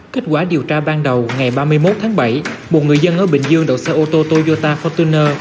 kết quả điều tra ban đầu ngày ba mươi một tháng bảy một người dân ở bình dương đậu xe ô tô toyota fortuner